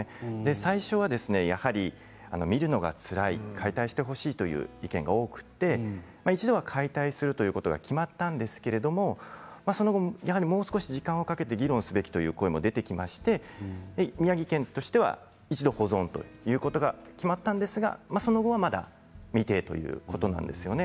最初は、やはり見るのがつらい解体してほしいという意見が多くて、一度は解体するということが決まったんですけれどもその後、もう少し時間をかけて議論すべきという声が出てきまして宮城県としては一度保存ということが決まったんですがその後はまだ未定ということなんですよね。